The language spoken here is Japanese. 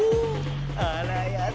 あらやだ！